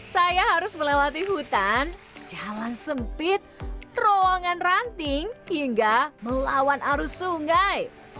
saya harus melewati hutan jalan sempit terowongan ranting hingga melawan arus sungai